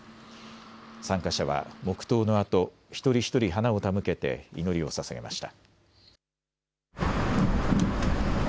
参加者は黙とうのあと一人一人花を手向けて祈りをささげました。